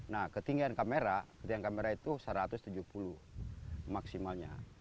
nah ketinggian kamera itu satu ratus tujuh puluh maksimalnya